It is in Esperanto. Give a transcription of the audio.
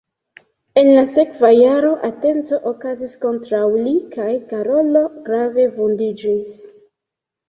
En la sekva jaro atenco okazis kontraŭ li kaj Karolo grave vundiĝis.